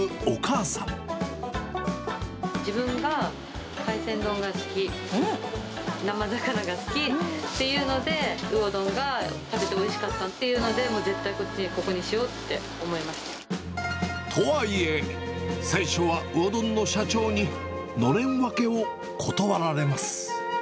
自分が海鮮丼が好き、生魚が好きっていうので、魚丼が食べておいしかったっていうので、絶対にここにしようってとはいえ、最初は魚丼の社長にのれん分けを断られます。